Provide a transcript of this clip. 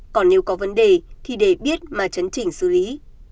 còn nếu có vấn đề thì để biết mà chấn chỉnh xử lý